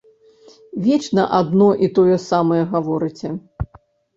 Вечна адно і тое самае гаворыце.